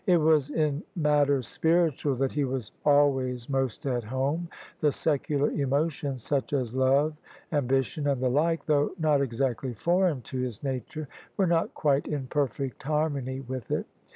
It was in matters spiritual that he was always most at home: the secular emotions — such as love, ambition and the like — though not exactly foreign to his nature, were not quite in perfect harmony with it.